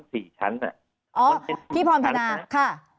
พี่พรพินาค์